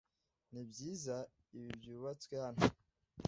Nibyiza ibi byubatswe hano.